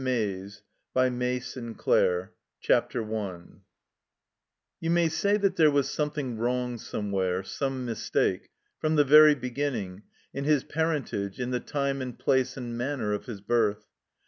MAZE • t ■«••'»••» I THE COMBINED MAZE CHAPTER I YOU may say that there was something wrong somewhere, some mistake, from the very beginning, in his parentage, in the time and place and manner of his birth.